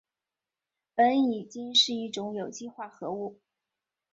苯乙腈是一种有机化合物。